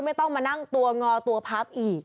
ไม่ต้องมานั่งตัวงอตัวพับอีก